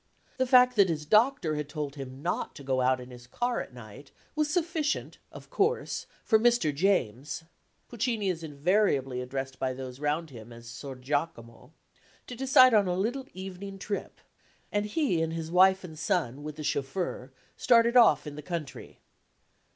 The fact that his doctor had told him not to go out in his car at night was sufficient, of course, for "Mr. James" Puccini is invariably addressed by those round him as "Sor Giacomo" to decide on a little evening trip; and he and his wife and son with the chauffeur started off in the country.